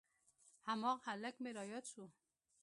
هماغه هلک مې راياد سو.